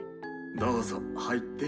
どうぞ入って。